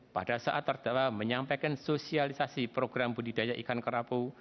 pada saat terdakwa menyampaikan sosialisasi program budidaya ikan kerapu